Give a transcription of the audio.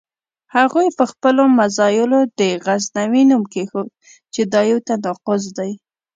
هغوی په خپلو مزایلو د غزنوي نوم کېښود چې دا یو تناقض دی.